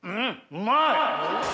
うまい！